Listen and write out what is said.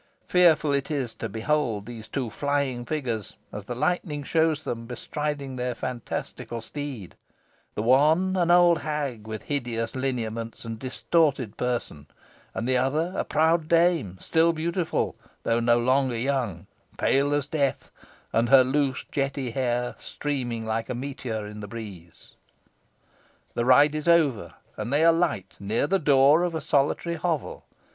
Fearful it is to behold those two flying figures, as the lightning shows them, bestriding their fantastical steed; the one an old hag with hideous lineaments and distorted person, and the other a proud dame, still beautiful, though no longer young, pale as death, and her loose jetty hair streaming like a meteor in the breeze. The ride is over, and they alight near the door of a solitary hovel.